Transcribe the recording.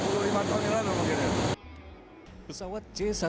kalau terbang mungkin berapa ya